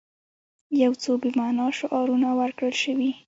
یو څو بې معنا شعارونه ورکړل شوي.